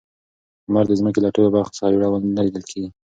لمر د ځمکې له ټولو برخو څخه یو ډول نه لیدل کیږي.